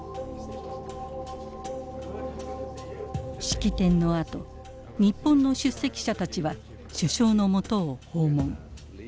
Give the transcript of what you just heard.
式典のあと日本の出席者たちは首相のもとを訪問。